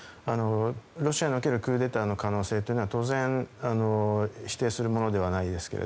ロシアにおけるクーデターの可能性というのは当然、否定するものではないですが。